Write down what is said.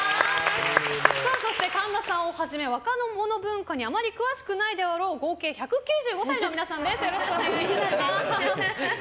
そして、神田さんをはじめ若者文化にあまり詳しくないであろう合計１９５歳の皆さんです。